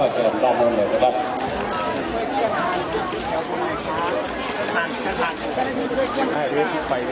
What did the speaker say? สำหรับประจำตอบโมงเหลือครับ